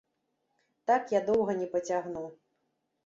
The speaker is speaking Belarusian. Так я доўга не пацягну.